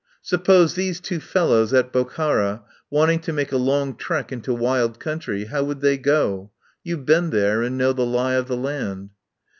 Suppose these two fellows at Bokhara, want ing to make a long trek into wild country — how would they go? You've been there, and know the lie of the land."